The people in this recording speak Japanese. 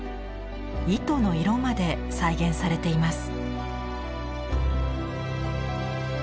糸の色まで再現されています。